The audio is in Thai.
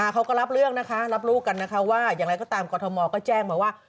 เขาก็รับเรื่องนะคะรับรู้กันนะคะว่าอย่างไรก็ตามกรทมก็แจ้งมาว่า